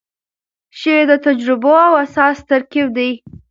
شعر د تجربو او احساس ترکیب دی.